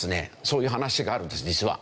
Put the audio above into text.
そういう話があるんです実は。